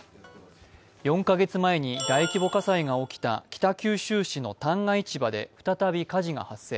４カ月前に大規模火災が起きた北九州市の旦過市場で再び火事が発生。